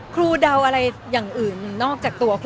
ครูเดาอะไรอย่างอื่นนอกจากตัว